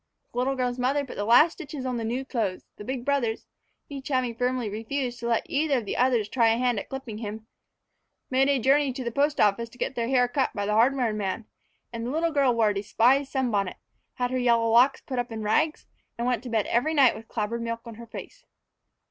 The little girl's mother put the last stitches on the new clothes; the big brothers, each having firmly refused to let either of the others try a hand at clipping him, made a journey to the post office to get their hair cut by the hardware man; and the little girl wore a despised sunbonnet, had her yellow locks put up on rags, and went to bed every night with clabbered milk on her face.